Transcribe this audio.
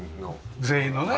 全員のね。